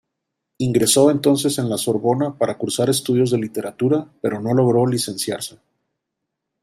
Ingresó entonces en La Sorbona para cursar estudios de literatura pero no logró licenciarse.